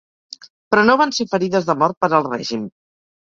Però no van ser ferides de mort per al Règim.